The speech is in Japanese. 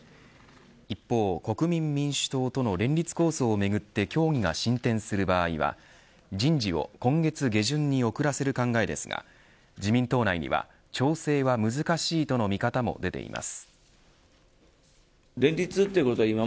一方国民民主党との連立構想をめぐって協議が進展する場合は人事を、今月下旬に遅らせる考えですが自民党内には、調整は難しいとの見方も出ています。